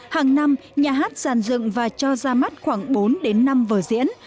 hàng năm nhà hát giàn dựng và cho ra mắt khoảng bốn đến năm vở diễn